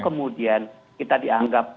kemudian kita dianggap